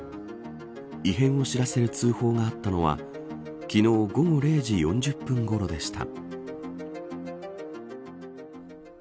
異変を知らせる通報があったのは昨日午後０時４０分ごろでした。